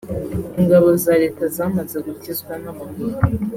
ingabo za Leta zamaze gukizwa n’amaguru